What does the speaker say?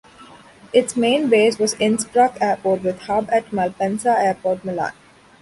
Its main base was Innsbruck Airport, with hub at Malpensa Airport, Milan.